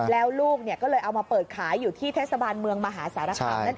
แล้วลูกก็เลยเอามาเปิดขายอยู่ที่เทศบาลเมืองมหาสารคามนั่นเอง